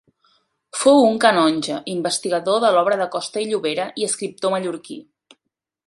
Fou un canonge, investigador de l'obra de Costa i Llobera i escriptor mallorquí.